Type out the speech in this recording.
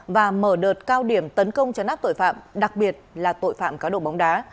và mở đợt cao điểm tấn công chấn áp tội phạm đặc biệt là tội phạm cá độ bóng đá